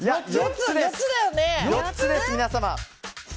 ４つです、皆様。